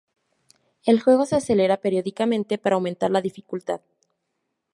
El juego se acelera periódicamente para aumentar la dificultad.